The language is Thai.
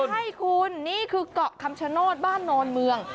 ใช่คุณนี่คือเกาะคำชโนธบ้านโนนเมือง